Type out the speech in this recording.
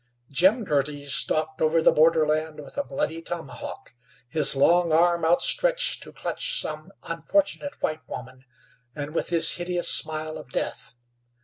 Jim Girty stalked over the borderland with a bloody tomahawk, his long arm outstretched to clutch some unfortunate white woman, and with his hideous smile of death.